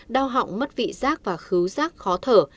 đau hỏng mất vị giác và khứ giác khó thở